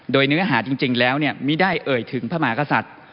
โดยเนื้อหาจริงแล้วไม่ได้เอ่ยถึงพระมหากษัตริย์